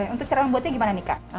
untuk cara membuatnya gimana nih kak